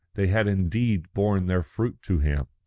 They had indeed borne their fruit to him.